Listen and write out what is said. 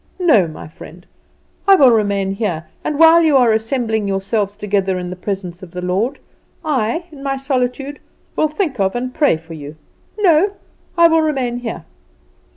No, my friend, I will remain here; and, while you are assembling yourselves together in the presence of the Lord, I, in my solitude, will think of and pray for you. No; I will remain here!"